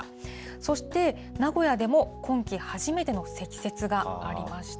そして名古屋でも今季初めての積雪がありました。